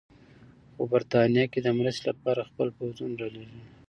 خو برټانیه که د مرستې لپاره خپل پوځونه رالېږي.